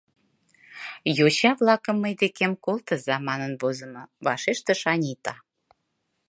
— «Йоча-влакым Мый декем колтыза» манын возымо, — вашештыш Анита.